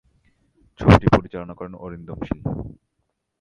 ছবিটি পরিচালনা করেন অরিন্দম শীল।